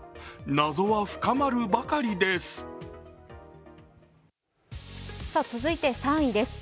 謎は深まるばかりです。